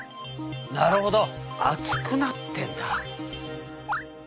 なるほど厚くなってんだ。